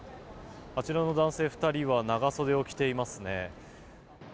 あちらの男性２人は長袖を着ていますね。